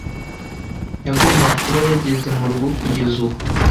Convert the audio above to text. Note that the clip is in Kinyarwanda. Yagombaga kuba yageze murugo kugeza ubu.